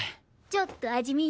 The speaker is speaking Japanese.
ちょっと味見。